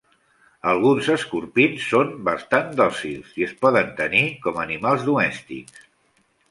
Alguns escorpins són bastant dòcils i es poden tenir com a animals domèstics.